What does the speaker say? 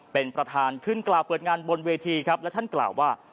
เป็นประธานขึ้นกล่าวเปิดงานบนเวทีครับและท่านกล่าวว่า